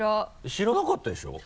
知らなかったでしょ？